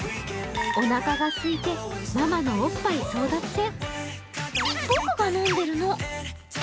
おなかがすいて、ママのおっぱい争奪戦。